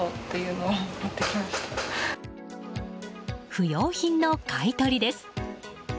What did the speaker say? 不用品の買い取りです。